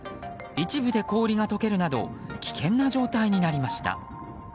一部で氷が解けるなど危険な状態になりました。